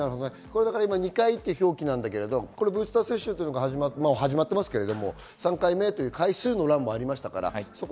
２回という表記ですがブースター接種が始まっていますが、３回目という回数の欄もありました。